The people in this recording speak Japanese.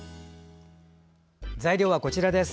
材料はこちらです。